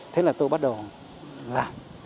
thế là tôi bắt đầu làm